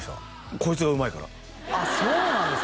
こいつがうまいからあっそうなんですか？